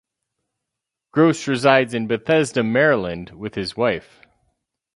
Gross resides in Bethesda, Maryland, with his wife.